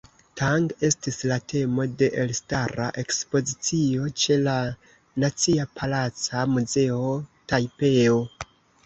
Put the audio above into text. Tang estis la temo de elstara ekspozicio ĉe la Nacia Palaca Muzeo, Tajpeo.